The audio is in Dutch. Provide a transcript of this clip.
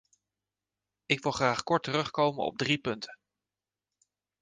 Ik wil graag kort terugkomen op drie punten.